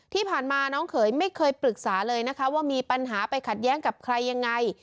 ที่ผ่านมาน้องเขยไม่เคยปรึกษาเลยนะคะว่ามีปัญหาไปขัดแย้งกับใครยังไง